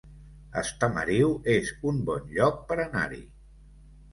Estamariu es un bon lloc per anar-hi